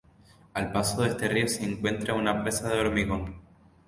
Al paso de este río se encuentra una presa de hormigón.